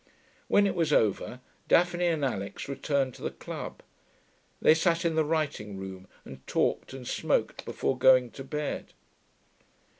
When it was over, Daphne and Alix returned to the club. They sat in the writing room and talked and smoked before going to bed.